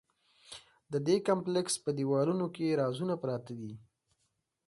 د دې کمپلېکس په دیوالونو کې رازونه پراته دي.